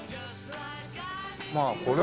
まあこれ。